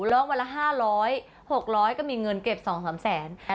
ล็อกวันละ๕๐๐๖๐๐ก็มีเงินเก็บ๒๓แสน